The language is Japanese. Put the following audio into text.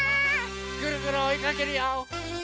ぐるぐるおいかけるよ！